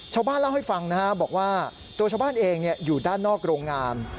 ชาวบ้านเล่าให้ฟังนะฮะบอกว่าตัวชาวบ้านเองอยู่ด้านนอกโรงงาน